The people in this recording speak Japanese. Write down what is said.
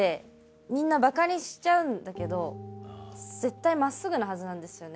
みんなバカにしちゃうんだけど絶対真っすぐなはずなんですよね。